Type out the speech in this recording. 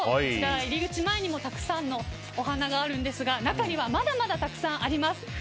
こちらは入り口前にもたくさんのお花があるんですが中にはまだまだたくさんあります。